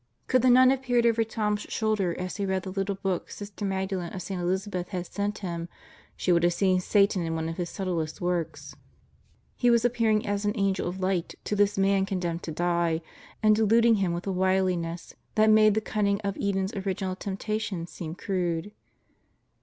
Could the nun have peered over Tom's shoulder as he read the little book Sister Magdalen of St. Elizabeth had sent him she would have seen Satan in one of his subtlest works. He was appearing as an Angel of Light to this man condemned to die and deluding him with a wiliness that makes the cunning of Eden's original temptation seem crude.